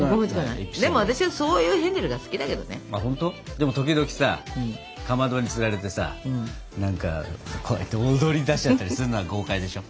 でも時々さかまどにつられてさ何かこうやって踊りだしちゃったりするのは豪快でしょ？